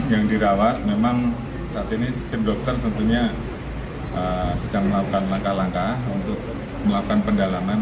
yang dirawat memang saat ini tim dokter tentunya sedang melakukan langkah langkah untuk melakukan pendalaman